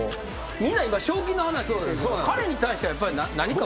みんな今賞金の話してるのに彼に対してはやっぱり何か。